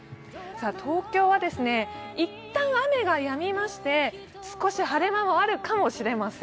東京は一旦雨がやみまして、少し晴れ間もあるかもしれません。